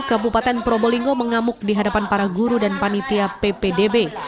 kabupaten probolinggo mengamuk di hadapan para guru dan panitia ppdb